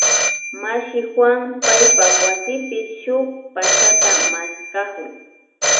Mashi Juan paypak wasipi shuk pachata maskakun